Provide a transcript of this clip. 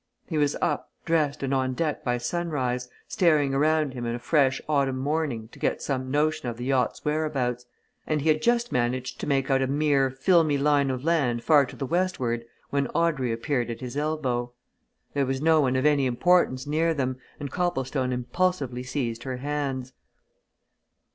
He was up, dressed, and on deck by sunrise, staring around him in a fresh autumn morning to get some notion of the yacht's whereabouts, and he had just managed to make out a mere filmy line of land far to the westward when Audrey appeared at his elbow. There was no one of any importance near them and Copplestone impulsively seized her hands.